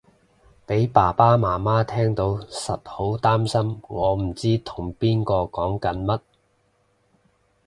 俾爸爸媽媽聽到實好擔心我唔知同邊個講緊乜